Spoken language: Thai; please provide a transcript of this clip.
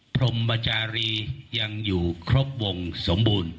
พรมจารียังอยู่ครบวงสมบูรณ์